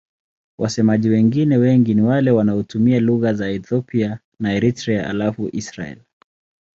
Wasemaji wengine wengi ni wale wanaotumia lugha za Ethiopia na Eritrea halafu Israel.